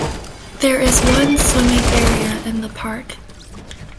There is one swimming area in the park.